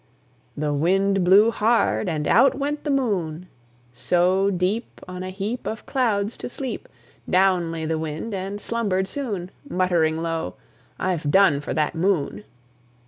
The Wind blew hard, and out went the Moon. So, deep On a heap Of clouds to sleep, Down lay the Wind, and slumbered soon, Muttering low, "I've done for that Moon."